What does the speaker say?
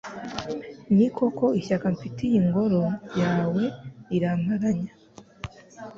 Ni koko ishyaka mfitiye Ingoro yawe riramparanya